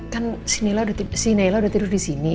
kan si naila udah tidur di sini